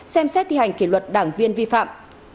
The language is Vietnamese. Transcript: ba xem xét thi hành kỷ luật đảng viên vi phạm